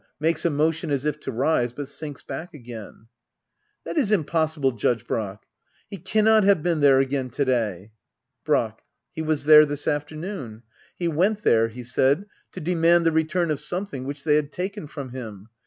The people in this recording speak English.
[Makes a motion as if to rise, but sinks back again,] That is impossible. Judge Brack! He cannot have been there again to day. Brack. He was there this afternoon. He went there, he said, to demand the return of something which they had taken from him.